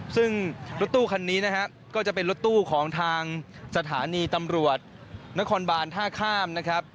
ซึ่งรถตู้คันนี้นะฮะก็จะเป็นรถตู้ของทางสถานีตำรวจนครบานท่าข้ามนะครับ